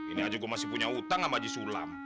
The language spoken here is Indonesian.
ini aja gue masih punya utang sama haji sulam